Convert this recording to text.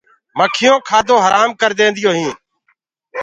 مکيونٚ ڪآدو هرآم ڪر دينديونٚ هينٚ۔